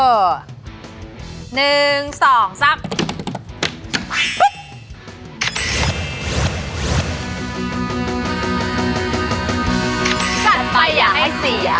จัดไปอย่าให้เสีย